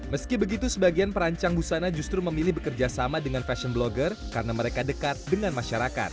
meski begitu sebagian perancang busana justru memilih bekerja sama dengan fashion blogger karena mereka dekat dengan masyarakat